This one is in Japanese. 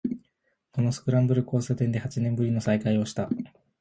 このスクランブル交差点で八年ぶりの再会をした